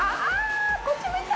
あ、あ、こっち向いた。